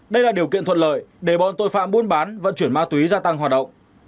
đây là điều kiện thuận lợi để bọn tội phạm buôn bán vận chuyển ma túy gia tăng hoạt động